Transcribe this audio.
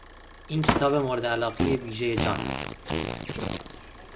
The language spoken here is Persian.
این کتاب مورد علاقهی ویژهی جان است.